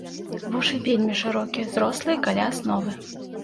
Вушы вельмі шырокія, зрослыя каля асновы.